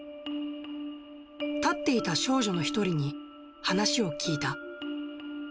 立っていた少女の１人に話を聞いた。